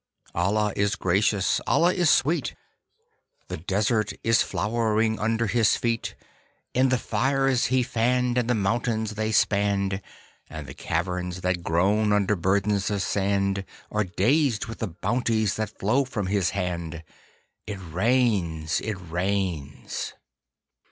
Allah is gracious, Allah is sweet, The desert is flowering under his feet; E'en the fires he fanned, And the mountains they spanned, And the caverns that groan under burdens of sand Are dazed with the bounties that flow from his hand It rains, it rains!